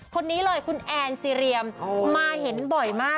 คนนี้เลยคุณแอนซีเรียมมาเห็นบ่อยมาก